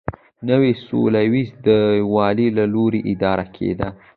نوی سوېلي ویلز د والي له لوري اداره کېده.